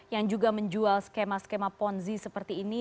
yang juga menjual skema skema ponzi seperti ini